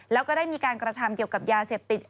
แล้วก็ได้มีการกระทำเกี่ยวกับยาเสพติด